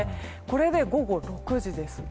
これで午後６時です。